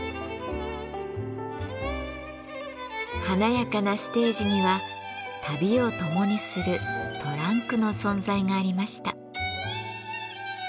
華やかなステージには旅を共にするトランクの存在がありました。